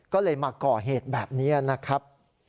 ก็เลยมาก่อเหตุแบบนี้นะครับ